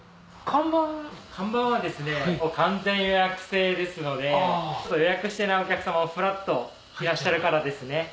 看板は完全予約制ですので予約してないお客さまもフラッといらっしゃるからですね